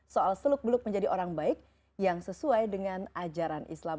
soal seluk beluk menjadi orang baik yang sesuai dengan ajaran islam